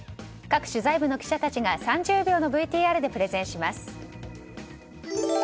各取材部の記者たちが３０秒のＶＴＲでプレゼンします。